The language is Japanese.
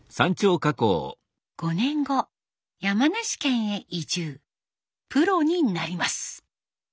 ５年後山梨県へ移住プロになります。